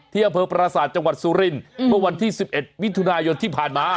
อำเภอปราศาสตร์จังหวัดสุรินทร์เมื่อวันที่๑๑มิถุนายนที่ผ่านมา